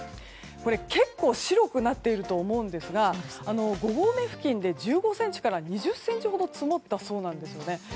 結構、白くなっていると思うんですが５合目付近で、１５ｃｍから２０ｃｍほど積もったそうです。